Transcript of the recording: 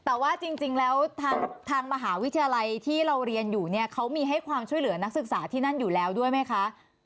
แต่ว่าจริงแล้วทางมหาวิทยาลัยที่เราเรียนอยู่เนี่ยเขามีให้ความช่วยเหลือนักศึกษาที่นั่นอยู่แล้วด้วยไหมคะ